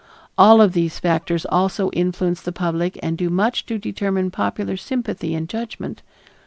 All of these factors also influence the public and do much to determine popular sympathy and judgment.